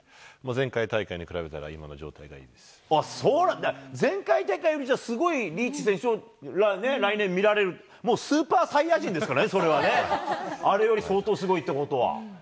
前回大会に比べたら、今の状態はそうなんだ、前回大会よりもすごいリーチ選手を来年見られる、もうスーパーサイヤ人ですからね、それはね、あれより相当すごいということは。